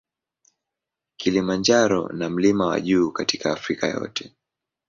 Kilimanjaro na mlima wa juu katika Afrika yote.